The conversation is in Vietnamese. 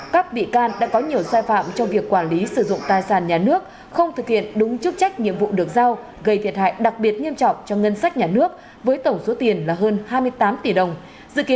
các bị can đã có nhiều sai phạm trong việc quản lý sử dụng tài sản nhà nước không thực hiện đúng chức trách nhiệm vụ được giao gây thiệt hại đặc biệt nghiêm trọng cho ngân sách nhà nước với tổng số tiền là hơn hai mươi tám tỷ đồng